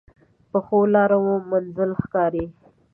پخو لارو منزل ښکاري